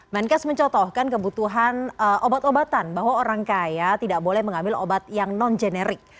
menkes mencotohkan kebutuhan obat obatan bahwa orang kaya tidak boleh mengambil obat yang non generik